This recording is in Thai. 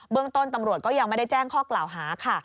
ต้นตำรวจก็ยังไม่ได้แจ้งข้อกล่าวหาค่ะ